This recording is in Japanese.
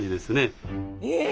え